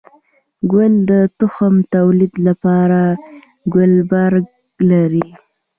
گل د تخم توليد لپاره ګلبرګ لري